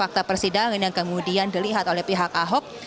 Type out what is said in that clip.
fakta persidangan yang kemudian dilihat oleh pihak ahok